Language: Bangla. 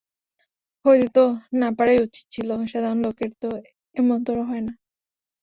হইতে তো না পারাই উচিত ছিল–সাধারণ লোকের তো এমনতরো হয় না।